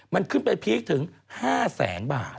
มันขึ้นไปพีคถึง๕แสนบาท